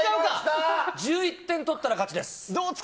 １１点取ったら勝ちです。